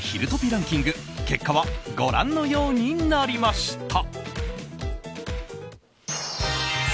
ランキング結果はご覧の結果となりました。